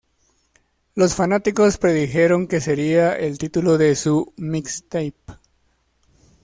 Los fanáticos predijeron que sería el título de su "mixtape".